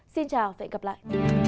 xin chào và hẹn gặp lại